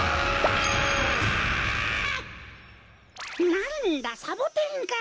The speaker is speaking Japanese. なんだサボテンか。